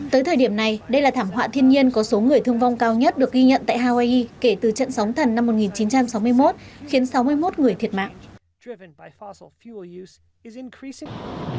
tới thời điểm này đây là thảm họa thiên nhiên có số người thương vong cao nhất được ghi nhận tại hawaii kể từ trận sóng thần năm một nghìn chín trăm sáu mươi một khiến sáu mươi một người thiệt mạng